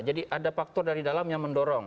jadi ada faktor dari dalam yang mendorong